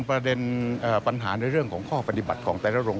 ทางโรงพยาบาลต้องแจ้งสิทธิ์ผู้ป่วยใช่ไหมคะ